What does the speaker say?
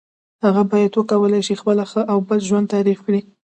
هغه باید وکولای شي خپله ښه او بد ژوند تعریف کړی.